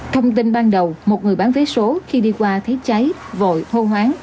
thông tin ban đầu một người bán vé số khi đi qua thấy cháy vội hô hoáng